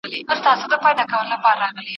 د محصول لوړوالی د ټولو په ګټه دی.